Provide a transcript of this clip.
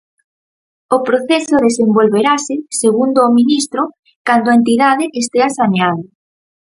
O proceso desenvolverase, segundo o ministro, cando a entidade estea saneada.